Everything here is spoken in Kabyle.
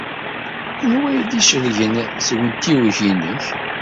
Anwa ay d-icelgen seg umtiweg-nnek?